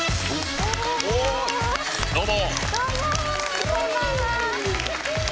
どうも！